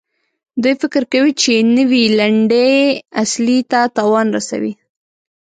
دوی فکر کوي چې نوي لنډۍ اصلي ته تاوان رسوي.